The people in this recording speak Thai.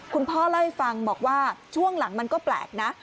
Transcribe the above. คุณพ่อเล่าให้ฟังบอกว่าช่วงหลังมันก็แปลกนะ